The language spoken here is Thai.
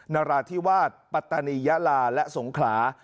นราธิวาสปัตตานียะลาและสงขลา